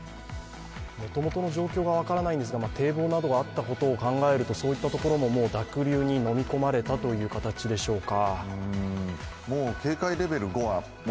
もともとの状況が分からないんですが、堤防などがあったことを考えるとそういったところももう濁流にのみ込まれたという形でしょうか。